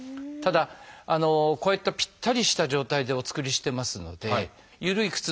ただこういったぴったりした状態でお作りしてますのでゆるい